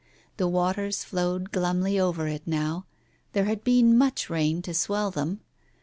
The waters flowed glumly over it now, there had been much rain to swell them.